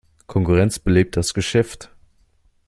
Konkurrenz belebt das Geschäft.